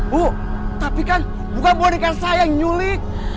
bu tapi kan bukan boneka saya yang nyulik